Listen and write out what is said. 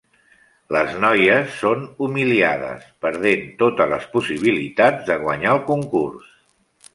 Les noies són humiliades perdent totes les possibilitats de guanyar el concurs.